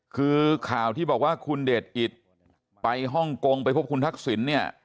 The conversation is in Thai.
คือข่าวที่บอกว่าคุณเดชอิตไปฮ่องกงไปพบคุณทักษิณเนี่ย